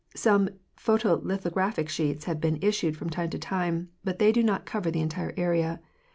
Some photolitho graphic sheets have been issued from time to time, but they do not cover the entire area.